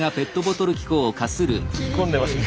突っ込んでますね。